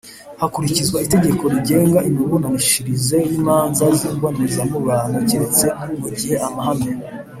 hakurikizwa itegeko rigenga imiburanishirize y imanza z imbonezamubano keretse mu gihe amahame